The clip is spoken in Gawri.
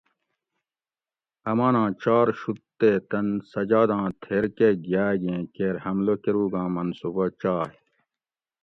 اماناں چار شُوت تے تن سجاداں تھیر کہ گیاگیں کیر حملہ کروگاں منصوبہ چائے